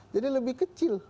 jadi lebih kecil